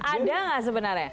ada nggak sebenarnya